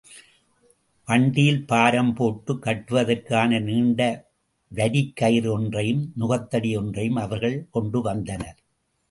வண்டியில் பாரம் போட்டுக் கட்டுவதற்கான நீண்ட வரிக்கயிறு ஒன்றையும், நுகத்தடி ஒன்றையும் அவர்கள் கொண்டுவந்தனர்.